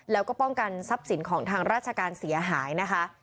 แล้วก็ป้องกันทรัพย์สินของทางราชการเสียหายนะคะ